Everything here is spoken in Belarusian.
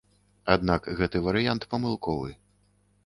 Аднак гэты варыянт памылковы.